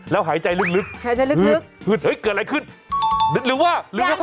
แล้วหายใจลึกหืดเห้ยเกิดอะไรขึ้นหรือว่าหืด